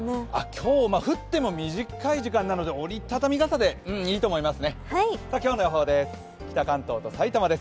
今日は降っても短い時間なので折り畳み傘でいいと思います。